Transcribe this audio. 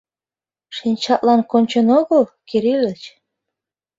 Шинчатлан кончен огыл, Кириллыч?